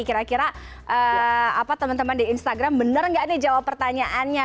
kira kira teman teman di instagram benar nggak nih jawab pertanyaannya